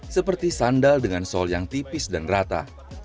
seperti sandal dengan sol yang tipis dan rata